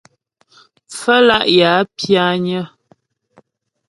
Pfə́lá' yə̀ a pyányə́.